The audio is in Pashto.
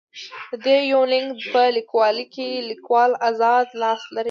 د دې يونليک په ليکلوکې ليکوال اذاد لاس لري.